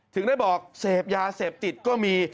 ถึงได้บอกเสพยาเสพติดก็มี